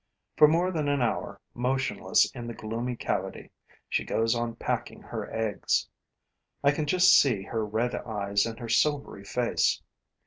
For more than an hour, motionless in the gloomy cavity, she goes on packing her eggs. I can just see her red eyes and her silvery face.